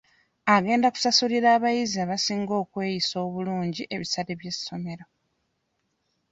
Agenda kusasulira abayizi abasinga okweyisa obulungi ebisale by'essomero.